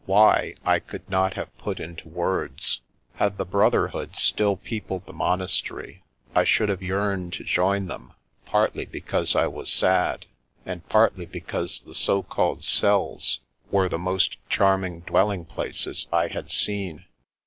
Why, I could not have put into words. Had the brotherhood still peopled the monastery, I should have yearned to join them, partly because I was sad, and partly because the so called cells were the most charming dwelling places I had seen.